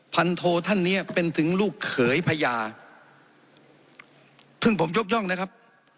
โทท่านเนี้ยเป็นถึงลูกเขยพญาเพิ่งผมยกย่องนะครับ